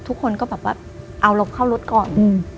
ทุกคนก็แบบว่าเอาลบเข้ารถก่อน